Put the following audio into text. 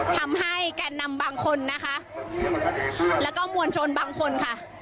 แก่นนำบางคนนะคะแล้วก็มวลชนบางคนค่ะ